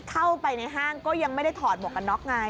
เข้าไปในห้างก็ยังไม่ได้ถอดหมวกกันน็อกไง